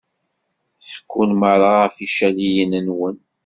Ḥekkun merra ɣef yicaliyen-nwen.